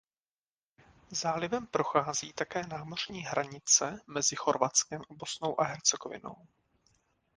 Zálivem prochází také námořní hranice mezi Chorvatskem a Bosnou a Hercegovinou.